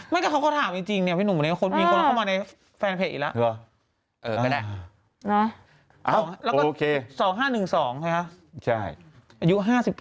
มาในแฟนเพจอีกแล้วเออก็ได้นะแล้วก็๒๕๑๒ใช่ไหมครับอายุ๕๒